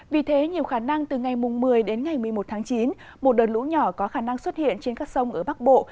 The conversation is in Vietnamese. vì thế nhiều khả năng từ ngày một mươi đến ngày một mươi một tháng chín một đợt lũ nhỏ có khả năng xuất hiện trên các sông ở bắc bộ